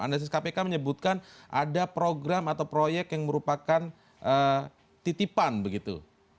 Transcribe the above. analisis kpk menyebutkan ada program atau proyek yang merupakan titipan begitu